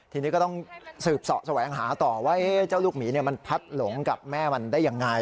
ทีนี้ก็ต้องสืบเสาะแสวงหาต่อว่าเจ้าลูกหมีมันพัดหลงกับแม่มันได้ยังไง